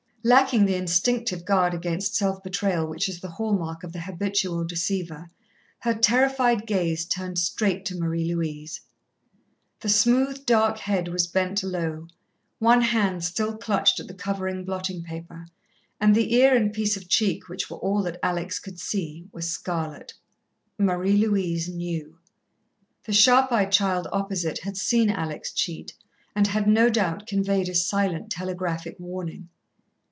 Lacking the instinctive guard against self betrayal which is the hall mark of the habitual deceiver, her terrified gaze turned straight to Marie Louise. The smooth, dark head was bent low, one hand still clutched at the covering blotting paper, and the ear and piece of cheek which were all that Alex could see, were scarlet. Marie Louise knew. The sharp eyed child opposite had seen Alex cheat, and had no doubt conveyed a silent telegraphic warning.